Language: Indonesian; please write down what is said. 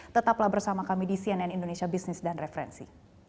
tetaplah bersama kami di cnn indonesia business dan referensi